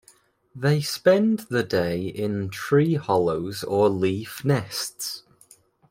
They spend the day in tree hollows or leaf nests.